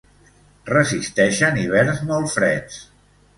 Resisteixen hiverns molt freds.